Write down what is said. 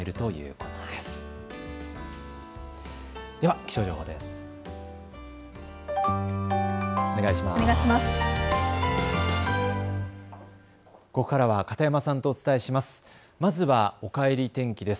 ここからは片山さんとお伝えします。